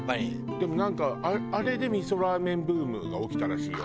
でもなんかあれで味噌ラーメンブームが起きたらしいよ。